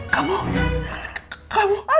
kamu hamil beb